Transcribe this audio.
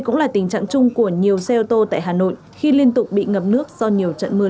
cũng là tình trạng chung của nhiều xe ô tô tại hà nội khi liên tục bị ngập nước do nhiều trận mưa